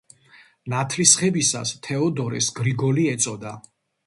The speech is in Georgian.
ნათლისღებისას თეოდორეს გრიგოლი ეწოდა.